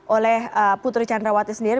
oleh putri candrawati sendiri